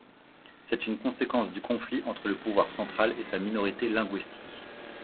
C'est une conséquence du conflit entre le pouvoir central et sa minorité linguistique.